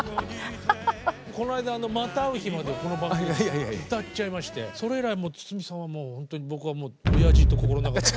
この間「また逢う日まで」をこの番組で歌っちゃいましてそれ以来筒美さんはもう本当に僕は親父と心の中では。